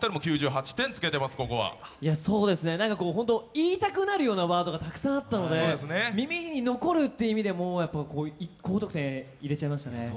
言いたくなるようなワードがたくさんあったので、耳に残るという意味でも高得点入れちゃいましたね。